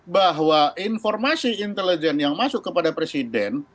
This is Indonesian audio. bahwa informasi intelijen yang masuk kepada presiden